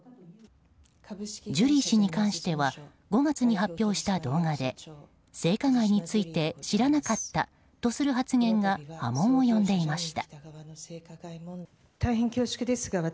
ジュリー氏に関しては５月に発表した動画で性加害について知らなかったとする発言が波紋を呼んでいました。